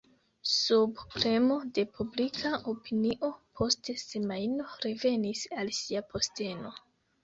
Sub premo de publika opinio post semajno revenis al sia posteno.